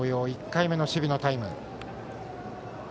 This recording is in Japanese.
１回目の守備のタイム。